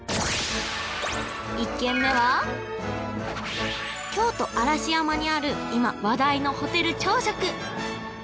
１軒目は京都・嵐山にある今話題のホテル朝食